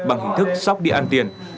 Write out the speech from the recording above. bằng hình thức sóc đi ăn tiền